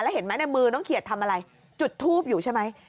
เห็นไหมในมือน้องเขียดทำอะไรจุดทูปอยู่ใช่ไหม